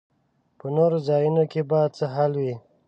په نورو ځایونو کې به څه حال وي.